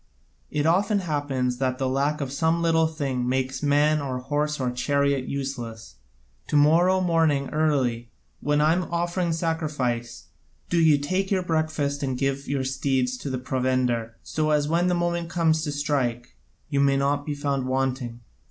It often happens that the lack of some little thing makes man or horse or chariot useless. To morrow morning early, while I am offering sacrifice, do you take your breakfast and give your steeds their provender, so that when the moment comes to strike you may not be found wanting.